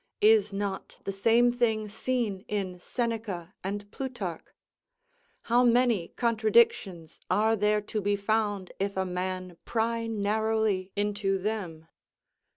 Is not the same thing seen in Seneca and Plutarch? How many contradictions are there to be found if a man pry narrowly into them!